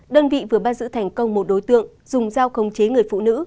đơn vị vừa ban giữ thành công một đối tượng dùng giao công chế người phụ nữ